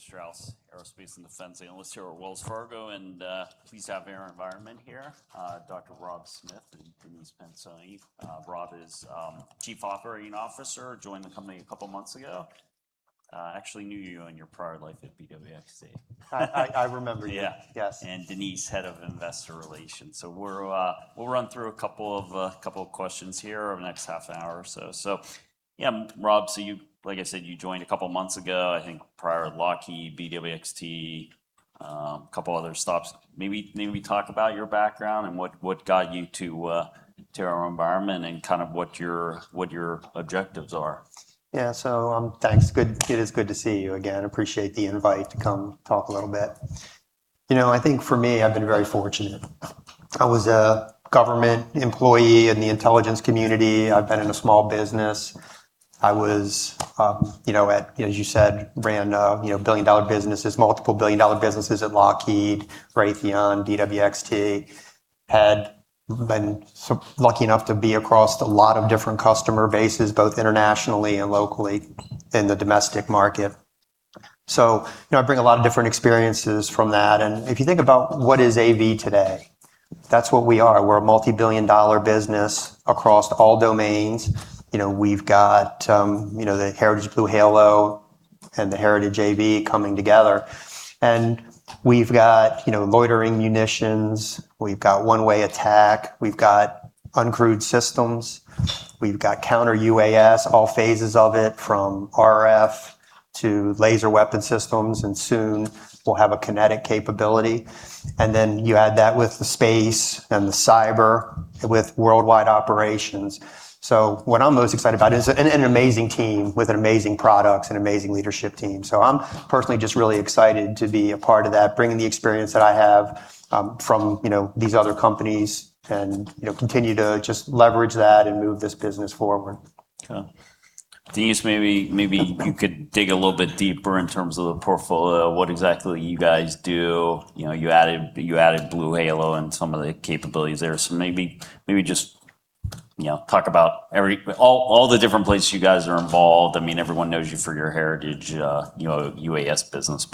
David Strauss, aerospace and defense analyst here at Wells Fargo, pleased to have AeroVironment here. Dr. Rob Smith and Denise Pacioni. Rob is Chief Operating Officer, joined the company a couple of months ago. I actually knew you in your prior life at BWXT. I remember you. Yeah. Yes. Denise, Head of Investor Relations. We'll run through a couple of questions here over the next half hour or so. Rob, like I said, you joined a couple of months ago, I think prior at Lockheed, BWXT, couple other stops. Maybe talk about your background and what got you to AeroVironment and kind of what your objectives are. Thanks. It is good to see you again. Appreciate the invite to come talk a little bit. I think for me, I've been very fortunate. I was a government employee in the intelligence community. I've been in a small business. I was, as you said, ran billion-dollar businesses, multiple billion-dollar businesses at Lockheed, Raytheon, BWXT. Had been lucky enough to be across a lot of different customer bases, both internationally and locally in the domestic market. I bring a lot of different experiences from that. If you think about what is AV today, that's what we are. We're a multi-billion dollar business across all domains. We've got the heritage BlueHalo and the heritage AV coming together. We've got loitering munitions, we've got one-way attack, we've got uncrewed systems, we've got Counter-UAS, all phases of it, from RF to laser weapon systems, and soon we'll have a kinetic capability. You add that with the space and the cyber with worldwide operations. What I'm most excited about is an amazing team with amazing products and amazing leadership team. I'm personally just really excited to be a part of that, bringing the experience that I have from these other companies and continue to just leverage that and move this business forward. Denise, maybe you could dig a little bit deeper in terms of the portfolio, what exactly you guys do. You added BlueHalo and some of the capabilities there. Maybe just talk about all the different places you guys are involved. Everyone knows you for your heritage UAS business.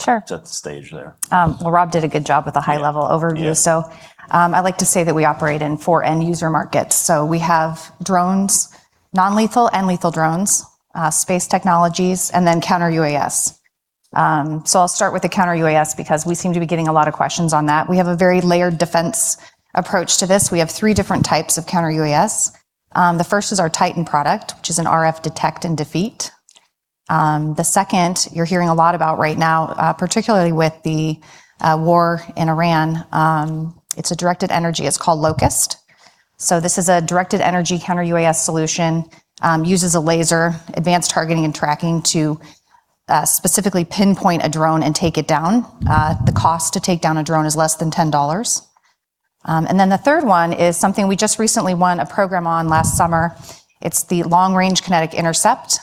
Sure. Set the stage there. Rob did a good job with a high level overview. Yeah. I like to say that we operate in four end user markets. We have drones, non-lethal and lethal drones, space technologies, and Counter-UAS. I'll start with the Counter-UAS because we seem to be getting a lot of questions on that. We have a very layered defense approach to this. We have three different types of Counter-UAS. The first is our Titan product, which is an RF detect and defeat. The second, you're hearing a lot about right now, particularly with the war in Iran, it's a directed energy, it's called LOCUST. This is a directed energy Counter-UAS solution. Uses a laser, advanced targeting and tracking to specifically pinpoint a drone and take it down. The cost to take down a drone is less than $10. The third one is something we just recently won a program on last summer. It's the long-range kinetic intercept.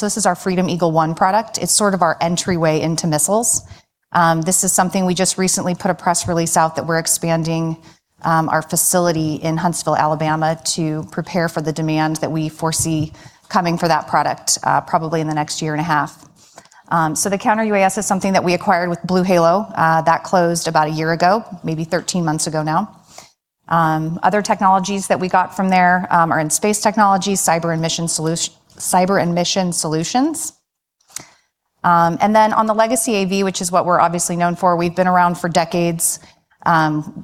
This is our Freedom Eagle-1 product. It's sort of our entryway into missiles. This is something we just recently put a press release out that we're expanding our facility in Huntsville, Alabama, to prepare for the demand that we foresee coming for that product, probably in the next year and a half. The Counter-UAS is something that we acquired with BlueHalo. That closed about a year ago, maybe 13 months ago now. Other technologies that we got from there are in space technology, cyber and mission solutions. On the legacy AV, which is what we're obviously known for, we've been around for decades.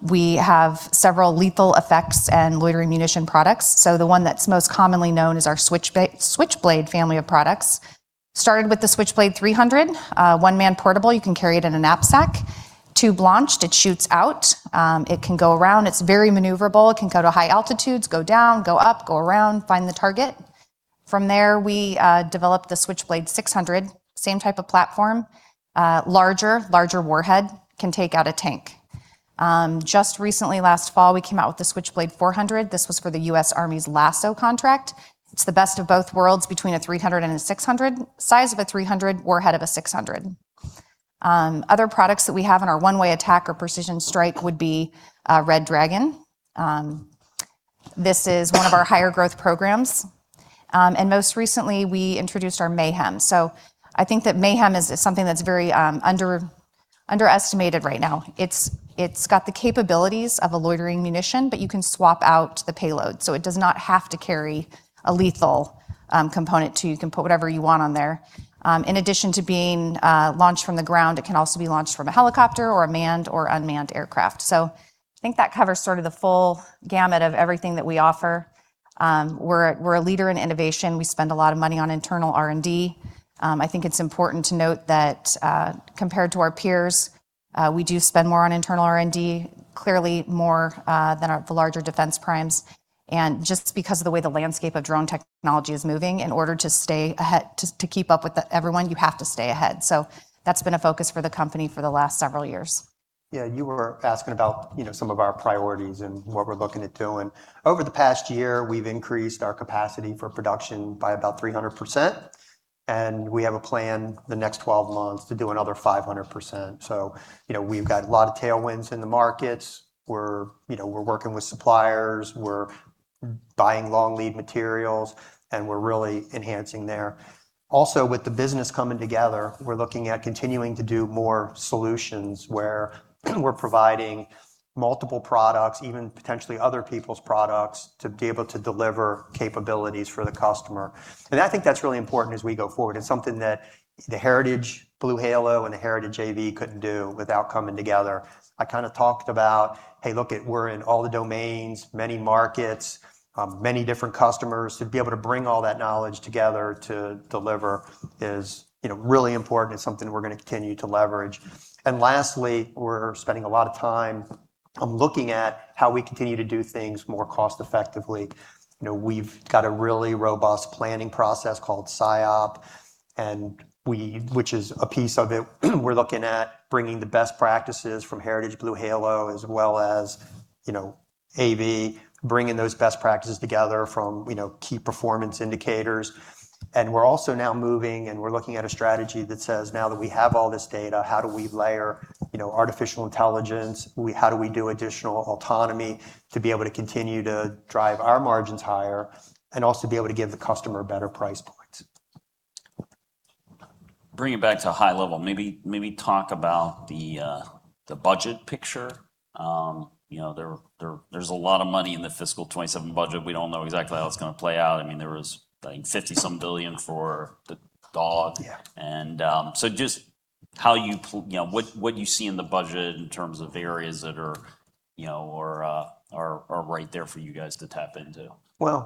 We have several lethal effects and loitering munition products. The one that's most commonly known is our Switchblade family of products. Started with the Switchblade 300, one-man portable, you can carry it in a knapsack. Tube launched, it shoots out. It can go around. It's very maneuverable. It can go to high altitudes, go down, go up, go around, find the target. From there, we developed the Switchblade 600, same type of platform, larger warhead, can take out a tank. Just recently, last fall, we came out with the Switchblade 400. This was for the U.S. Army's LASSO contract. It's the best of both worlds between a 300 and a 600. Size of a 300, warhead of a 600. Other products that we have in our one-way attack or precision strike would be Red Dragon. This is one of our higher growth programs. Most recently, we introduced our MAYHEM. I think that MAYHEM is something that's very underestimated right now. It's got the capabilities of a loitering munition, you can swap out the payload, it does not have to carry a lethal component too. You can put whatever you want on there. In addition to being launched from the ground, it can also be launched from a helicopter or a manned or unmanned aircraft. I think that covers sort of the full gamut of everything that we offer. We're a leader in innovation. We spend a lot of money on internal R&D. I think it's important to note that, compared to our peers, we do spend more on internal R&D, clearly more than the larger defense primes. Just because of the way the landscape of drone technology is moving, in order to keep up with everyone, you have to stay ahead. That's been a focus for the company for the last several years. You were asking about some of our priorities and what we're looking at doing. Over the past year, we've increased our capacity for production by about 300%, and we have a plan the next 12 months to do another 500%. We've got a lot of tailwinds in the markets. We're working with suppliers. We're buying long lead materials, and we're really enhancing there. Also, with the business coming together, we're looking at continuing to do more solutions where we're providing multiple products, even potentially other people's products, to be able to deliver capabilities for the customer. I think that's really important as we go forward, and something that the Heritage BlueHalo and the Heritage AV couldn't do without coming together. I kind of talked about, hey, look it, we're in all the domains, many markets, many different customers. To be able to bring all that knowledge together to deliver is really important. It's something we're going to continue to leverage. Lastly, we're spending a lot of time on looking at how we continue to do things more cost effectively. We've got a really robust planning process called SIOP, which is a piece of it. We're looking at bringing the best practices from Heritage BlueHalo as well as AV, bringing those best practices together from key performance indicators. We're also now moving, and we're looking at a strategy that says, now that we have all this data, how do we layer artificial intelligence? How do we do additional autonomy to be able to continue to drive our margins higher, and also be able to give the customer better price points? Bringing it back to a high level, maybe talk about the budget picture. There's a lot of money in the fiscal 2027 budget. We don't know exactly how it's going to play out. There was $50-some billion for the DAWG. Yeah. Just what you see in the budget in terms of areas that are right there for you guys to tap into.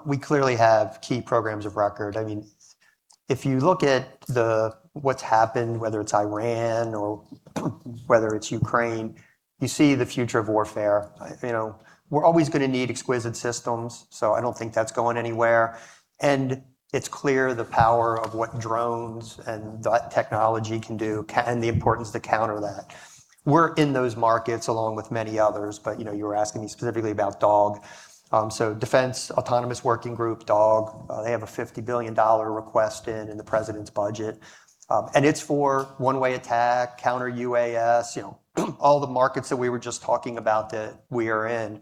We clearly have key programs of record. If you look at what's happened, whether it's Iran or whether it's Ukraine, you see the future of warfare. We're always going to need exquisite systems, so I don't think that's going anywhere. It's clear the power of what drones and that technology can do, and the importance to counter that. We're in those markets, along with many others, but you were asking me specifically about DAWG. Defense Autonomous Working Group, DAWG, they have a $50 billion request in the president's budget. It's for one-way attack, Counter-UAS, all the markets that we were just talking about that we are in.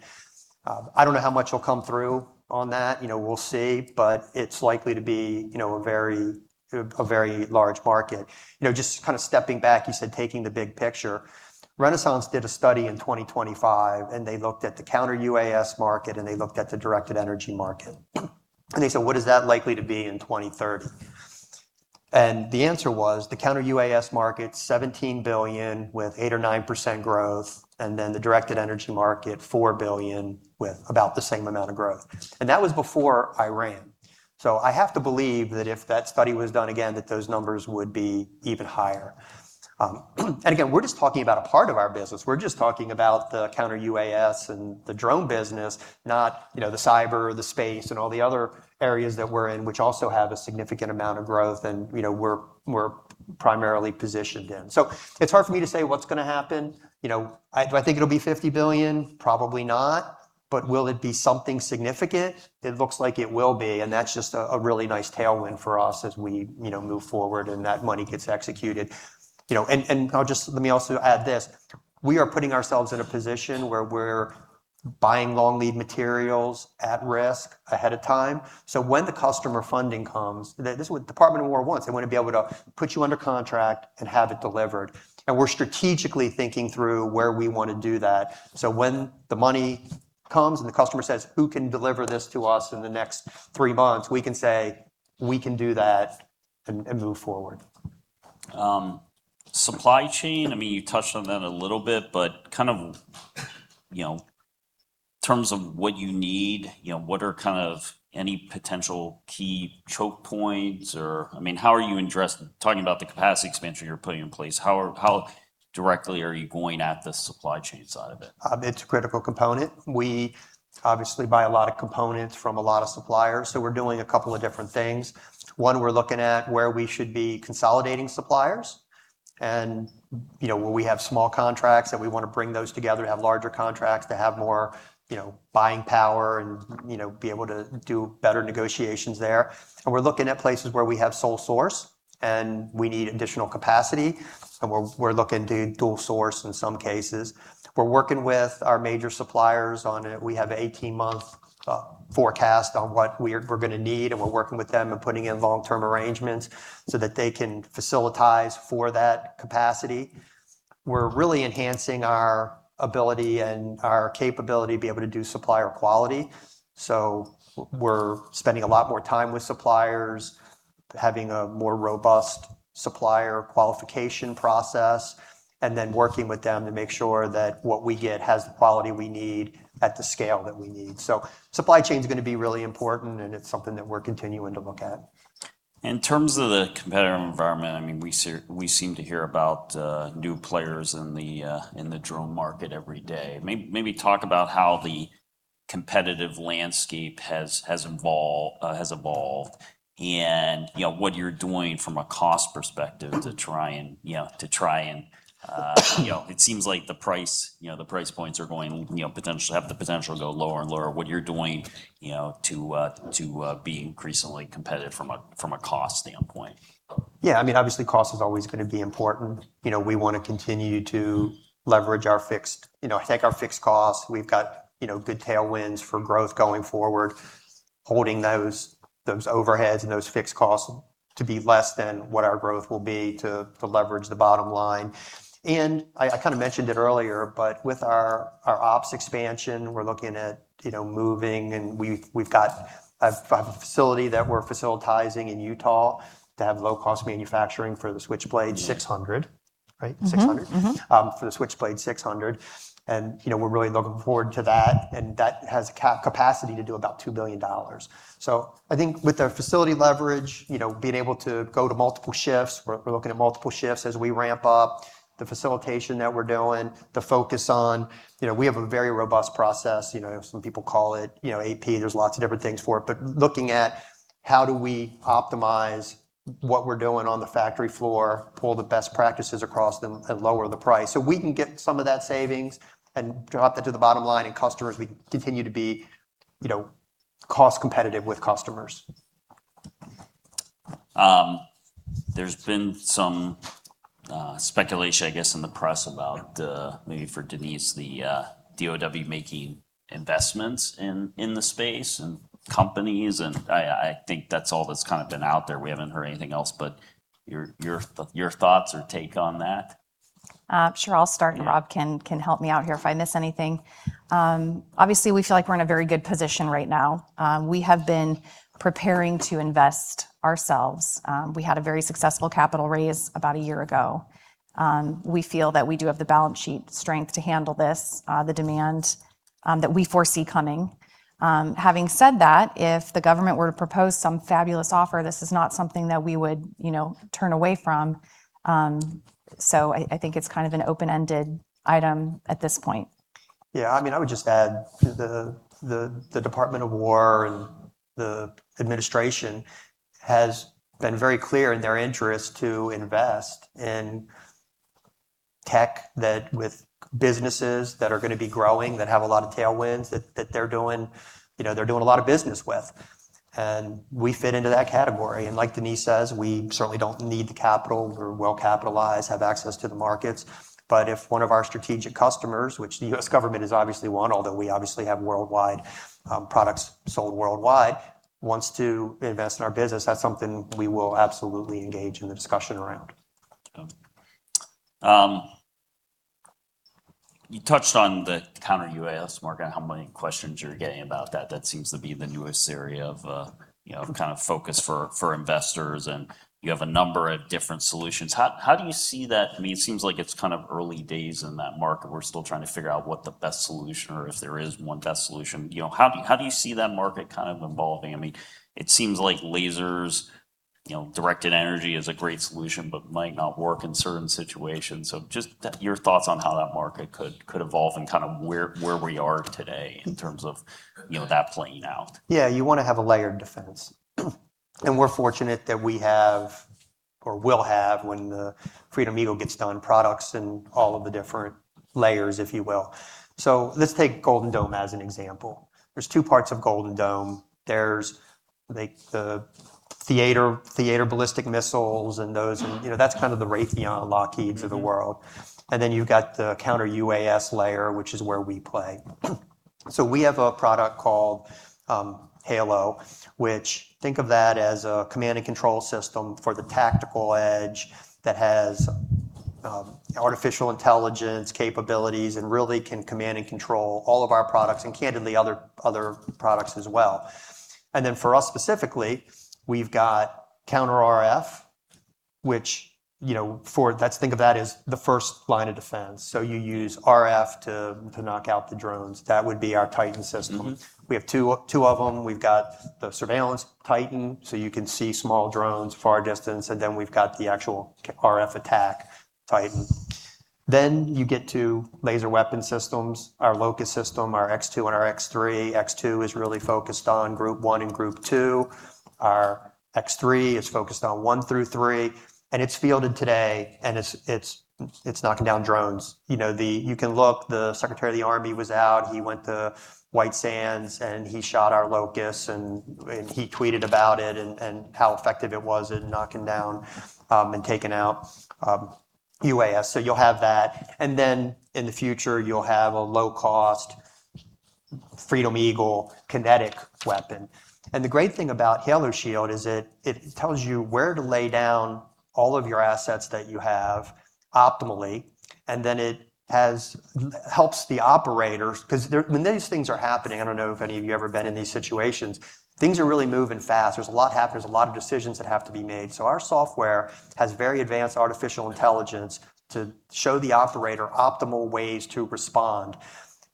I don't know how much will come through on that. We'll see, but it's likely to be a very large market. Just kind of stepping back, you said taking the big picture. Renaissance did a study in 2025, and they looked at the Counter-UAS market, and they looked at the directed energy market. They said, "What is that likely to be in 2030?" The answer was the Counter-UAS market, $17 billion with 8% or 9% growth. The directed energy market, $4 billion with about the same amount of growth. That was before Iran. I have to believe that if that study was done again, that those numbers would be even higher. Again, we're just talking about a part of our business. We're just talking about the Counter-UAS and the drone business, not the cyber, the space, and all the other areas that we're in, which also have a significant amount of growth, and we're primarily positioned in. It's hard for me to say what's going to happen. Do I think it'll be $50 billion? Probably not, but will it be something significant? It looks like it will be, and that's just a really nice tailwind for us as we move forward and that money gets executed. Let me also add this. We are putting ourselves in a position where we're buying long lead materials at risk ahead of time. When the customer funding comes, this is what Department of War wants. They want to be able to put you under contract and have it delivered. We're strategically thinking through where we want to do that. When the money comes and the customer says, "Who can deliver this to us in the next three months?" We can say, "We can do that" and move forward. Supply chain, you touched on that a little bit, but kind of in terms of what you need, what are any potential key choke points? Talking about the capacity expansion you're putting in place, how directly are you going at the supply chain side of it? It's a critical component. We obviously buy a lot of components from a lot of suppliers. We're doing a couple of different things. One, we're looking at where we should be consolidating suppliers and where we have small contracts that we want to bring those together to have larger contracts to have more buying power and be able to do better negotiations there. We're looking at places where we have sole source and we need additional capacity, so we're looking to dual source in some cases. We're working with our major suppliers on it. We have 18-month forecast on what we're going to need, and we're working with them and putting in long-term arrangements so that they can facilitize for that capacity. We're really enhancing our ability and our capability to be able to do supplier quality. We're spending a lot more time with suppliers, having a more robust supplier qualification process, and then working with them to make sure that what we get has the quality we need at the scale that we need. Supply chain's going to be really important, and it's something that we're continuing to look at. In terms of the competitive environment, we seem to hear about new players in the drone market every day. Maybe talk about how the competitive landscape has evolved and what you're doing from a cost perspective. It seems like the price points have the potential to go lower and lower. What you're doing to be increasingly competitive from a cost standpoint. Yeah. Obviously cost is always going to be important. We want to continue to leverage our fixed costs. We've got good tailwinds for growth going forward. Holding those overheads and those fixed costs to be less than what our growth will be to leverage the bottom line. I kind of mentioned it earlier, but with our ops expansion, we're looking at moving, and we've got a facility that we're facilitizing in Utah to have low-cost manufacturing for the Switchblade 600, right? 600. For the Switchblade 600, we're really looking forward to that. That has capacity to do about $2 billion. I think with the facility leverage, being able to go to multiple shifts, we're looking at multiple shifts as we ramp up the facilitation that we're doing, the focus on, we have a very robust process. Some people call it AP. There's lots of different things for it. Looking at how do we optimize what we're doing on the factory floor, pull the best practices across them, and lower the price so we can get some of that savings and drop that to the bottom line, and customers, we continue to be cost competitive with customers. There's been some speculation, I guess, in the press about, maybe for Denise, the DOD making investments in the space and companies, and I think that's all that's kind of been out there. We haven't heard anything else, your thoughts or take on that? Sure. I'll start, and Rob can help me out here if I miss anything. Obviously, we feel like we're in a very good position right now. We have been preparing to invest ourselves. We had a very successful capital raise about a year ago. We feel that we do have the balance sheet strength to handle this, the demand that we foresee coming. Having said that, if the government were to propose some fabulous offer, this is not something that we would turn away from. I think it's kind of an open-ended item at this point. Yeah, I would just add the Department of War and the administration has been very clear in their interest to invest in tech, that with businesses that are going to be growing, that have a lot of tailwinds, that they're doing a lot of business with. We fit into that category. Like Denise says, we certainly don't need the capital. We're well capitalized, have access to the markets. If one of our strategic customers, which the U.S. government is obviously one, although we obviously have worldwide products sold worldwide, wants to invest in our business, that's something we will absolutely engage in a discussion around. You touched on the Counter-UAS market, how many questions you're getting about that. That seems to be the newest area of kind of focus for investors, and you have a number of different solutions. How do you see that? It seems like it's kind of early days in that market. We're still trying to figure out what the best solution or if there is one best solution. How do you see that market kind of evolving? It seems like lasers, directed energy is a great solution, but might not work in certain situations. Just your thoughts on how that market could evolve and kind of where we are today in terms of that playing out. You want to have a layered defense. We're fortunate that we have or will have when the Freedom Eagle gets done, products in all of the different layers, if you will. Let's take Golden Dome as an example. There's two parts of Golden Dome. There's the theater ballistic missiles and those, and that's kind of the Raytheon, Lockheed's of the world. Then you've got the Counter-UAS layer, which is where we play. We have a product called Halo_Shield, which think of that as a command and control system for the tactical edge that has artificial intelligence capabilities and really can command and control all of our products and candidly other products as well. Then for us specifically, we've got Counter-RF, which let's think of that as the first line of defense. You use RF to knock out the drones. That would be our Titan system. We have two of them. We've got the surveillance Titan, so you can see small drones far distance. Then we've got the actual RF attack Titan. Then you get to laser weapon systems, our LOCUST system, our X2 and our X3. X2 is really focused on Group 1 and Group 2. Our X3 is focused on 1 through 3, and it's fielded today, and it's knocking down drones. You can look, the Secretary of the Army was out. He went to White Sands, and he shot our LOCUST, and he tweeted about it and how effective it was in knocking down and taking out UAS. You'll have that, and then in the future, you'll have a low-cost Freedom Eagle kinetic weapon. The great thing about Halo_Shield is it tells you where to lay down all of your assets that you have optimally, and then it helps the operators because when these things are happening, I don't know if any of you have ever been in these situations, things are really moving fast. There's a lot happening. There's a lot of decisions that have to be made. Our software has very advanced artificial intelligence to show the operator optimal ways to respond.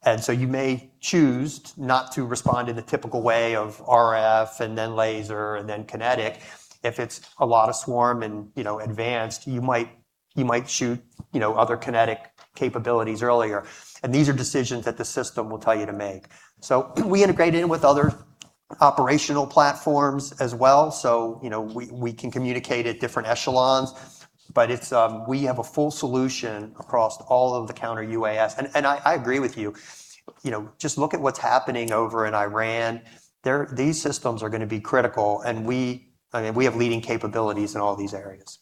You may choose not to respond in the typical way of RF and then laser and then kinetic. If it's a lot of swarm and advanced, you might shoot other kinetic capabilities earlier, and these are decisions that the system will tell you to make. We integrate in with other operational platforms as well, so we can communicate at different echelons. We have a full solution across all of the Counter-UAS. I agree with you. Just look at what's happening over in Iran. These systems are going to be critical, and we have leading capabilities in all these areas.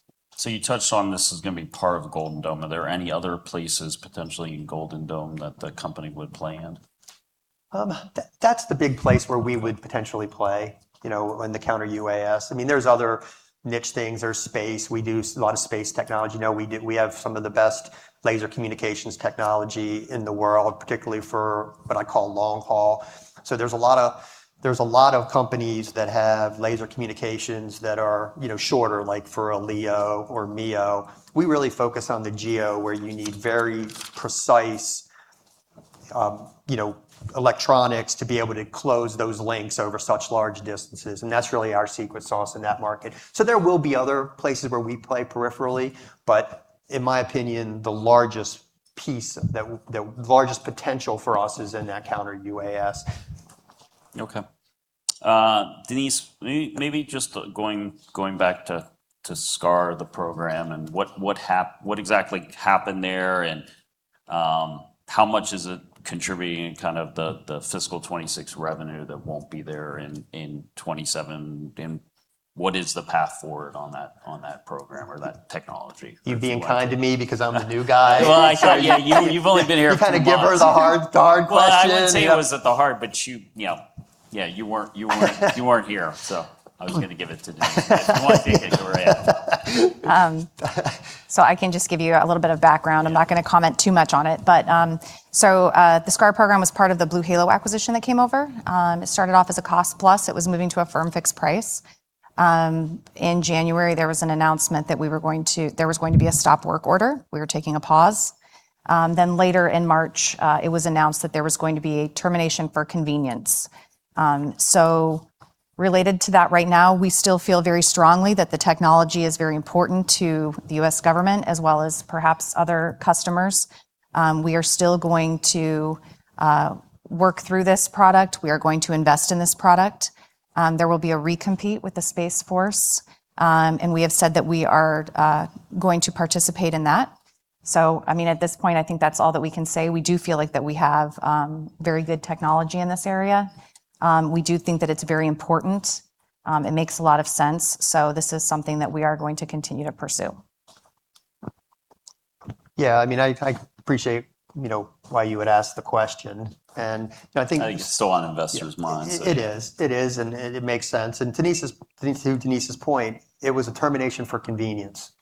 You touched on this is going to be part of Golden Dome. Are there any other places potentially in Golden Dome that the company would play in? That's the big place where we would potentially play, in the Counter-UAS. There's other niche things. There's space. We do a lot of space technology. We have some of the best laser communications technology in the world, particularly for what I call long haul. There's a lot of companies that have laser communications that are shorter, like for a LEO or MEO. We really focus on the GEO, where you need very precise electronics to be able to close those links over such large distances, and that's really our secret sauce in that market. There will be other places where we play peripherally, but in my opinion, the largest potential for us is in that Counter-UAS. Okay. Denise, maybe just going back to SCAR, the program, and what exactly happened there, and how much is it contributing in the fiscal 2026 revenue that won't be there in 2027, and what is the path forward on that program or that technology? You being kind to me because I'm the new guy? Well, you've only been here a few months. You kind of give her the hard question. I wouldn't say it was the hard, you weren't here, I was going to give it to Denise. I didn't want to take it away. I can just give you a little bit of background. I'm not going to comment too much on it. The BlueHalo acquisition that came over. It started off as a cost plus. It was moving to a firm fixed price. In January, there was an announcement that there was going to be a stop work order. We were taking a pause. Later in March, it was announced that there was going to be a termination for convenience. Related to that right now, we still feel very strongly that the technology is very important to the U.S. government as well as perhaps other customers. We are still going to work through this product. We are going to invest in this product. There will be a recompete with the Space Force. We have said that we are going to participate in that. At this point, I think that's all that we can say. We do feel like that we have very good technology in this area. We do think that it's very important. It makes a lot of sense. This is something that we are going to continue to pursue. Yeah, I appreciate why you would ask the question. I think it's still on investors' minds It is. It is, and it makes sense. To Denise's point, it was a termination for convenience.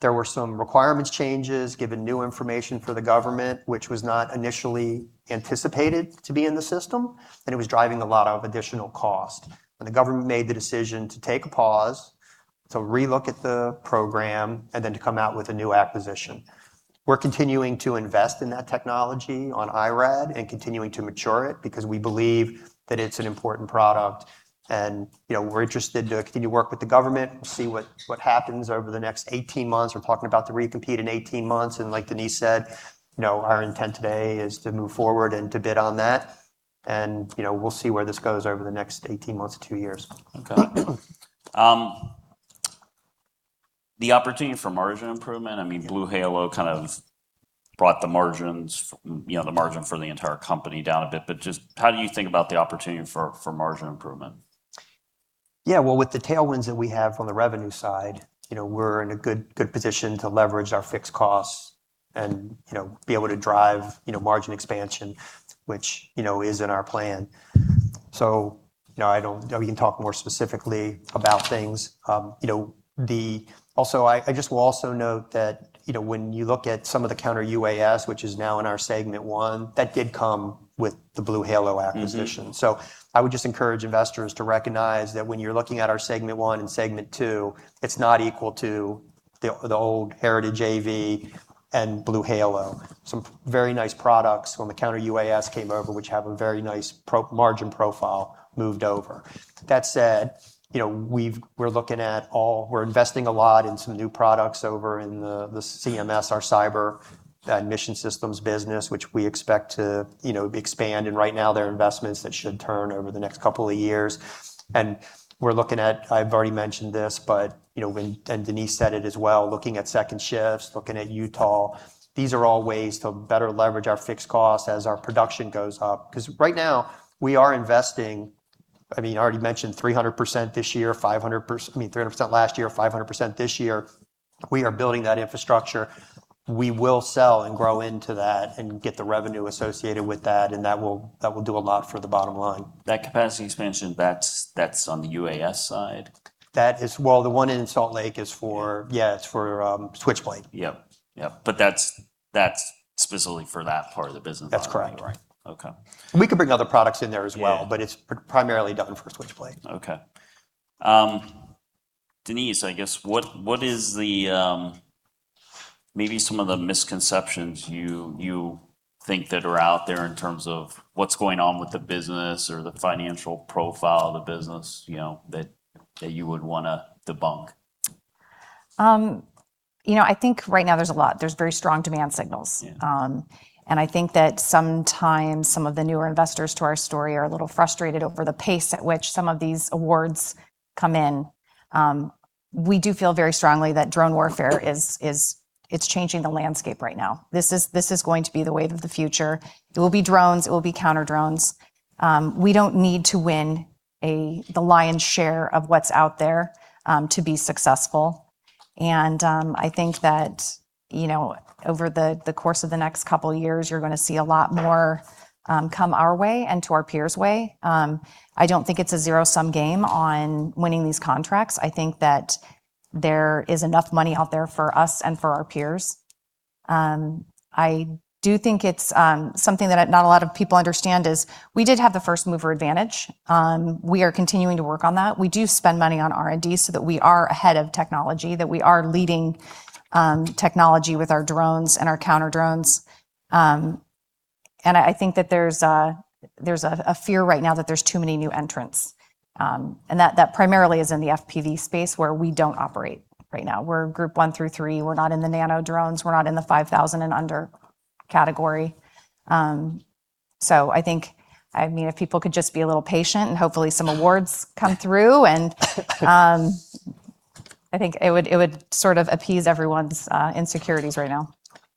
There were some requirements changes given new information for the government, which was not initially anticipated to be in the system, and it was driving a lot of additional cost. The government made the decision to take a pause, to re-look at the program, and then to come out with a new acquisition. We're continuing to invest in that technology on IRAD, and continuing to mature it, because we believe that it's an important product and we're interested to continue to work with the government, see what happens over the next 18 months. We're talking about the recompete in 18 months, and like Denise said, our intent today is to move forward and to bid on that. We'll see where this goes over the next 18 months to two years. Okay. The opportunity for margin improvement, BlueHalo kind of brought the margin for the entire company down a bit. Just how do you think about the opportunity for margin improvement? Yeah. Well, with the tailwinds that we have from the revenue side, we're in a good position to leverage our fixed costs and be able to drive margin expansion, which is in our plan. We can talk more specifically about things. I just will also note that when you look at some of the Counter-UAS, which is now in our segment one, that did come with the BlueHalo acquisition. I would just encourage investors to recognize that when you're looking at our segment one and segment two, it's not equal to the old Heritage AV and BlueHalo. Some very nice products when the Counter-UAS came over, which have a very nice margin profile, moved over. That said, we're investing a lot in some new products over in the CMS, our cyber and mission systems business, which we expect to expand, and right now they're investments that should turn over the next couple of years. We're looking at, I've already mentioned this, but, and Denise said it as well, looking at second shifts, looking at Utah, these are all ways to better leverage our fixed costs as our production goes up. Right now we are investing, I already mentioned 300% last year, 500% this year. We are building that infrastructure. We will sell and grow into that and get the revenue associated with that, and that will do a lot for the bottom line. That capacity expansion, that's on the UAS side? Well, the one in Salt Lake is for, yeah, it's for Switchblade. Yep. That's specifically for that part of the business. That's correct. Right. Okay. We could bring other products in there as well. Yeah. It's primarily done for Switchblade. Okay. Denise, I guess, what is maybe some of the misconceptions you think that are out there in terms of what's going on with the business or the financial profile of the business, that you would want to debunk? I think right now there's a lot. There's very strong demand signals. Yeah. I think that sometimes some of the newer investors to our story are a little frustrated over the pace at which some of these awards come in. We do feel very strongly that drone warfare is changing the landscape right now. This is going to be the wave of the future. It will be drones. It will be counter-drones. We don't need to win the lion's share of what's out there to be successful. I think that over the course of the next couple of years, you're going to see a lot more come our way and to our peers' way. I don't think it's a zero-sum game on winning these contracts. I think that there is enough money out there for us and for our peers. I do think it's something that not a lot of people understand is we did have the first-mover advantage. We are continuing to work on that. We do spend money on R&D so that we are ahead of technology, that we are leading technology with our drones and our counter-drones. I think that there's a fear right now that there's too many new entrants. That primarily is in the FPV space where we don't operate right now. We're Group 1 through 3. We're not in the nano drones. We're not in the 5,000 and under category. I think, if people could just be a little patient and hopefully some awards come through, I think it would appease everyone's insecurities right now.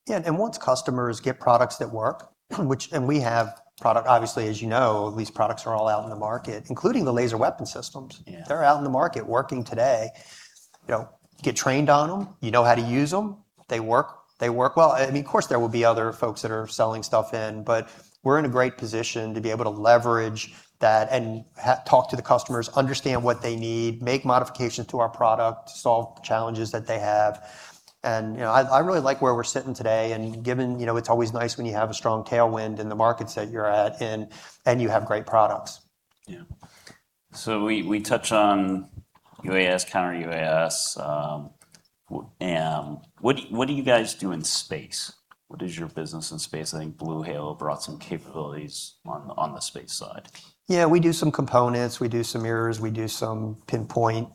Once customers get products that work, and we have product, obviously, as you know, these products are all out in the market, including the laser weapon systems. Yeah. They're out in the market working today. You get trained on them, you know how to use them. They work well. Of course, there will be other folks that are selling stuff in, but we're in a great position to be able to leverage that and talk to the customers, understand what they need, make modifications to our product, solve challenges that they have, and I really like where we're sitting today and it's always nice when you have a strong tailwind in the markets that you're at and you have great products. Yeah. We touch on UAS, Counter-UAS. What do you guys do in space? What is your business in space? I think BlueHalo brought some capabilities on the space side. Yeah, we do some components. We do some mirrors. We do some pinpoint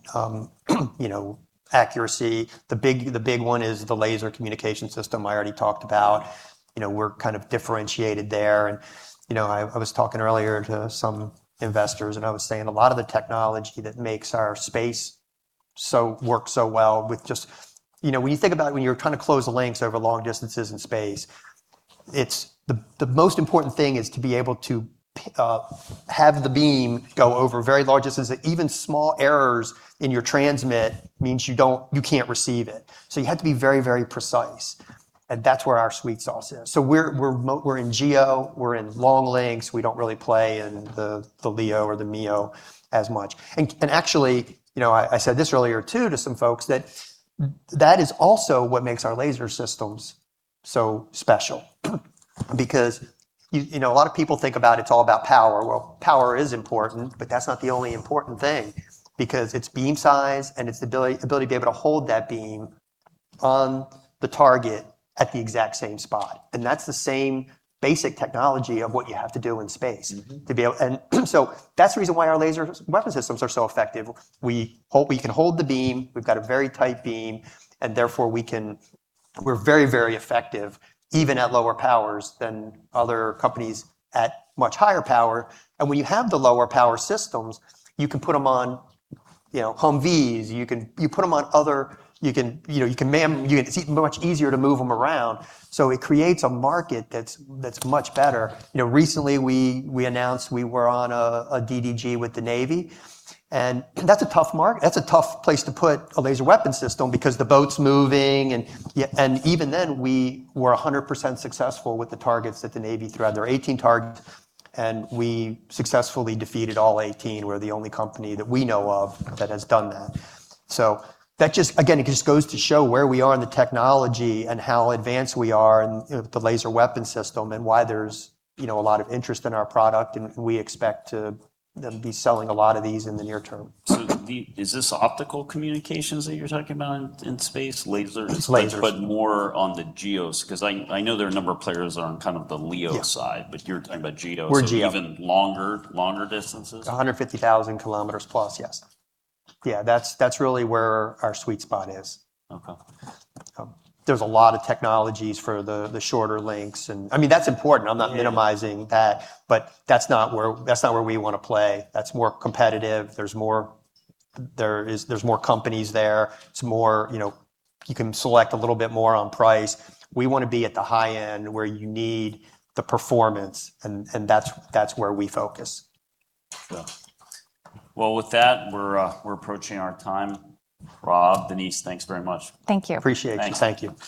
accuracy. The big one is the laser communication system I already talked about. We're kind of differentiated there. I was talking earlier to some investors, and I was saying a lot of the technology that makes our space work so well. When you think about it, when you're trying to close links over long distances in space, the most important thing is to be able to have the beam go over very large distances. Even small errors in your transmit means you can't receive it. You have to be very, very precise, and that's where our secret sauce is. We're in GEO. We're in long links. We don't really play in the LEO or the MEO as much. Actually, I said this earlier, too, to some folks, that is also what makes our laser systems so special. A lot of people think about it's all about power. Well, power is important, but that's not the only important thing because it's beam size and it's the ability to be able to hold that beam on the target at the exact same spot, and that's the same basic technology of what you have to do in space. That's the reason why our laser weapon systems are so effective. We can hold the beam. We've got a very tight beam, and therefore, we're very, very effective, even at lower powers than other companies at much higher power. When you have the lower power systems, you can put them on Humvees. It's much easier to move them around. It creates a market that's much better. Recently, we announced we were on a DDG with the Navy, and that's a tough place to put a laser weapon system because the boat's moving, and even then, we were 100% successful with the targets that the Navy threw out. There were 18 targets, and we successfully defeated all 18. We're the only company that we know of that has done that. That just, again, it just goes to show where we are in the technology and how advanced we are in the laser weapon system and why there's a lot of interest in our product, and we expect to be selling a lot of these in the near term. Is this optical communications that you're talking about in space? Lasers. Lasers, but more on the GEOs, because I know there are a number of players that are on kind of the LEO side. Yeah. You're talking about GEO. We're GEO. Even longer distances? 150,000+ km, yes. Yeah, that's really where our sweet spot is. Okay. There's a lot of technologies for the shorter links, that's important. I'm not minimizing that's not where we want to play. That's more competitive. There's more companies there. You can select a little bit more on price. We want to be at the high end where you need the performance, that's where we focus. Yeah. Well, with that, we're approaching our time. Rob, Denise, thanks very much. Thank you. Appreciate you. Thanks. Thank you.